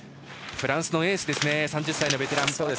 フランスのエース３０歳のベテラン